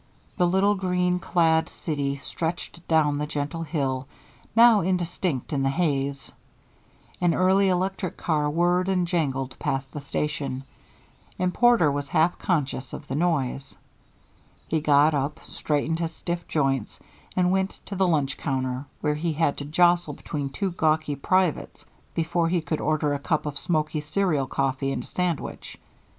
The little green clad city stretched down the gentle hill, now indistinct in the haze. An early electric car whirred and jangled past the station, and Porter was half conscious of the noise. He got up, straightened his stiff joints, and went to the lunch counter, where he had to jostle between two gawky privates before he could order a cup of smoky cereal coffee and a sandwich.